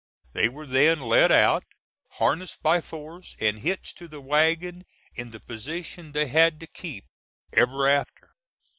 They were then led out, harnessed by force and hitched to the wagon in the position they had to keep ever after.